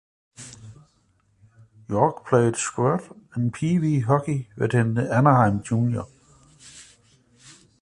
York played squirt and peewee hockey within the Anaheim Jr.